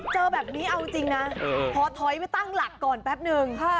เจอแบบนี้เอาจริงนะพอถอยไปตั้งหลักก่อนแป๊บนึง